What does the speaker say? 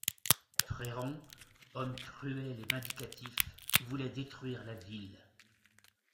Fréron, homme cruel et vindicatif, voulait détruire la ville.